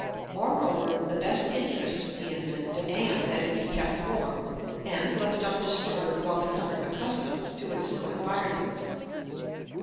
Moreover, the best interests of the infant demand that it be kept warm and left undisturbed while becoming accustomed to its new environment.